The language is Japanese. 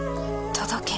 届け。